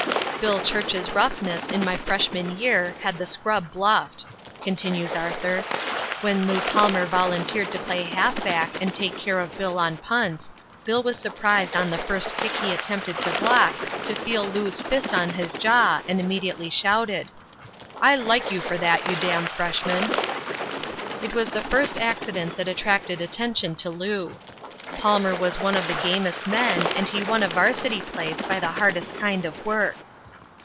"Bill Church's roughness, in my freshman year, had the scrub bluffed," continues Arthur. "When Lew Palmer volunteered to play halfback and take care of Bill on punts, Bill was surprised on the first kick he attempted to block to feel Lew's fist on his jaw and immediately shouted: "'I like you for that, you damn freshman.' "That was the first accident that attracted attention to Lew. Palmer was one of the gamest men and he won a Varsity place by the hardest kind of work.